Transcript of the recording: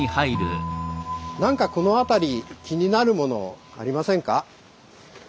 なんかこの辺り気になるものありませんか？